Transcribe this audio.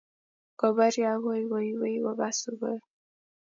koporie akoi koiywei kopa sukul